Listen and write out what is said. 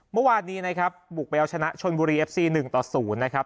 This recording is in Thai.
เมื่อวานนี้นะครับบุกแบบชนะชนบุรีเอฟซีหนึ่งต่อศูนย์นะครับ